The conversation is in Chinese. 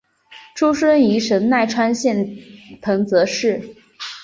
出身于神奈川县藤泽市。